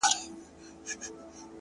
• نه يې وكړل د آرامي شپي خوبونه,